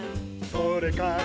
「それから」